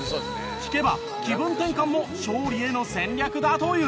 聞けば気分転換も勝利への戦略だという。